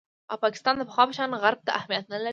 او پاکستان د پخوا په شان غرب ته اهمیت نه لري